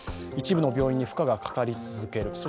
一部の病院に負荷がかかり続ける。